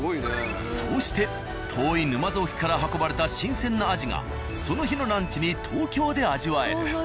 そうして遠い沼津沖から運ばれた新鮮なアジがその日のランチに東京で味わえる。